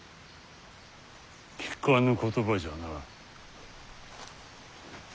聞かぬ言葉じゃな。